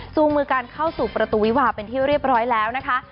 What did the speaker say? มือกันเข้าสู่ประตูวิวาเป็นที่เรียบร้อยแล้วนะคะ